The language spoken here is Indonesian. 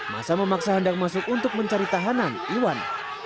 masa memaksa hendak masuk untuk mencari tahanan iwan